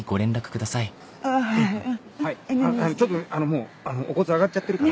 ちょっともうお骨上がっちゃってるから。